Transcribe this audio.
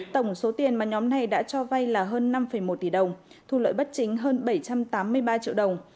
tổng số tiền mà nhóm này đã cho vay là hơn năm một tỷ đồng thu lợi bất chính hơn bảy trăm tám mươi ba triệu đồng